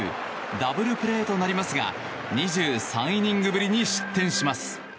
ダブルプレーとなりますが２３イニングぶりに失点します。